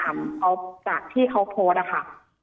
ใช่แต่เกี่ยวกับที่เขาโพสต์ค่ะ